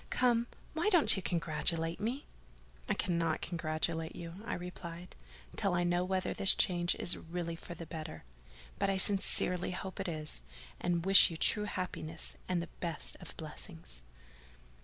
Come, why don't you congratulate me?" "I cannot congratulate you," I replied, "till I know whether this change is really for the better: but I sincerely hope it is; and I wish you true happiness and the best of blessings."